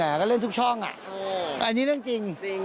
แต่ก็เล่นทุกช่องอ่ะอันนี้เรื่องจริง